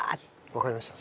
わかりました。